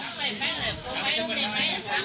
ตอนนี้สิ่งที่คุณแม่ทำเพื่อไม่มีความหวัง